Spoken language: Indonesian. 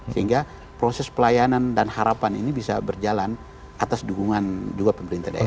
sehingga proses pelayanan dan harapan ini bisa berjalan atas dukungan juga pemerintah daerah